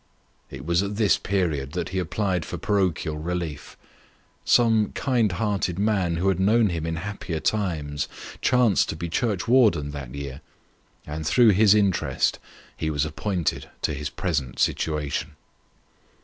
It was at this period that he applied for parochial relief. Some kind hearted man who had known him in happier times, chanced to bo churchwarden that year, and through his interest ho was appointed to his present situation.